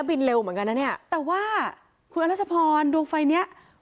บินเร็วเหมือนกันนะเนี่ยแต่ว่าคุณอรัชพรดวงไฟเนี้ย